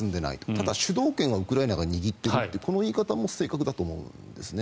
ただ、主導権はウクライナが握っているというこの言い方も正確だと思うんですね。